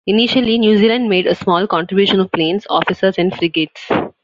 Initially New Zealand made a small contribution of planes, officers and frigates.